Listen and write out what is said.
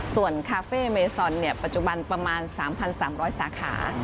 ส่วนคาเฟ่เมซอนปัจจุบันประมาณ๓๓๐๐สาขา